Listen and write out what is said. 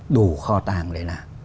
đổ kho tàng để làm